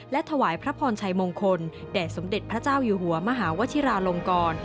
และถวายพระพรชัยมงคลแด่สมเด็จพระเจ้าอยู่หัวมหาวชิราลงกร